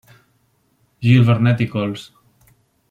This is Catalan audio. Gil-Vernet i cols.